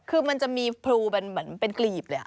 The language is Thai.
คือมันจะมีพูเหมือนเป็นกรีบเลย